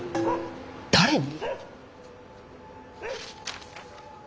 誰に？